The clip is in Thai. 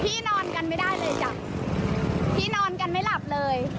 นอนกันไม่ได้เลยจ้ะพี่นอนกันไม่หลับเลย